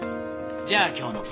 じゃあ今日の分。